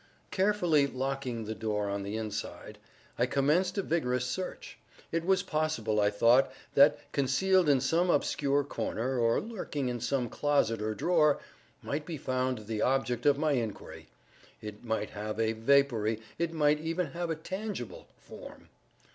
Carefully locking the door on the inside, I commenced a vigorous search. It was possible, I thought, that, concealed in some obscure corner, or lurking in some closet or drawer, might be found the lost object of my inquiry. It might have a vapory—it might even have a tangible form.